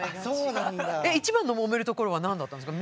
一番のもめるところは何だったんですか？